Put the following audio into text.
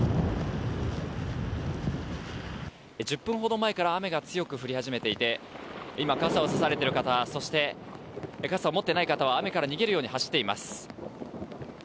１０分ほど前から雨が強く降り出していて傘をさされている方そして傘を持っていない方は雨から逃げるように走っています。